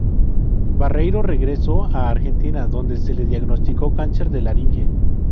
Barreiro regresó a Argentina, donde se le diagnosticó cáncer de laringe.